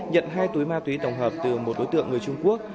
nhận hai túi ma túy tổng hợp từ một đối tượng người trung quốc